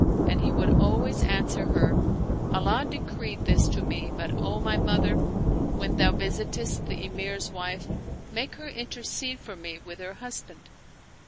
And he would always answer her, " Allah decreed this to me ; but, O my mother, when thou visitest the Emir's wife, make her intercede for me with her husband."